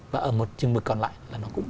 và ở một chương trình còn lại là nó cũng